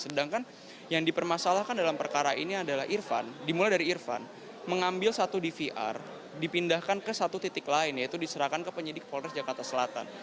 sedangkan yang dipermasalahkan dalam perkara ini adalah irfan dimulai dari irfan mengambil satu dvr dipindahkan ke satu titik lain yaitu diserahkan ke penyidik polres jakarta selatan